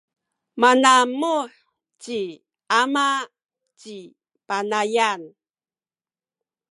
manamuh ci ama ci Panayan.